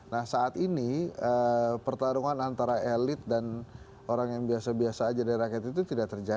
nah saat ini pertarungan antara elit dan orang yang biasa biasa aja dari rakyat itu tidak terjadi